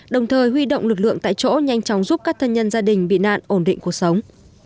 đồng thời huy động lực lượng tại chỗ nhanh chóng giúp các thân nhân gia đình bị nạn ổn định cuộc sống